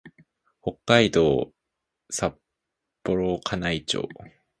北海道幌加内町